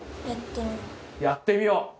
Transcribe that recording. やってみよう。